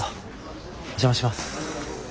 お邪魔します。